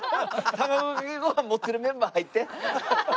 卵かけご飯持ってるメンバー入って。